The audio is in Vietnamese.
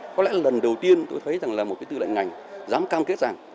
có lẽ lần đầu tiên tôi thấy rằng là một cái tư lệnh ngành dám cam kết rằng